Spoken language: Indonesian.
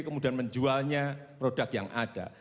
kemudian menjualnya produk yang ada